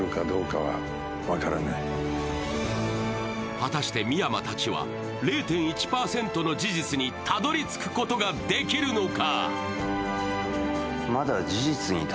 果たして深山たちは０．１％の事実にたどり着くことができるのか。